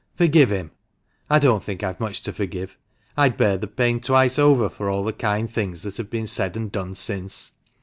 Forgive him! I don't think I've much to forgive. I'd bear the pain twice over for all the kind things that have been said and done since!